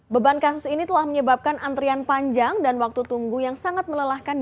beban kasus ini telah menyebabkan antrian panjang dan waktu tunggu yang sangat melelahkan